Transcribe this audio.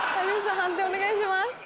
判定お願いします。